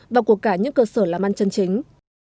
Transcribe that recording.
và của cả những cơ sở làm ăn chân chính